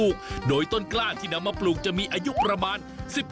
ขอบคุณครับ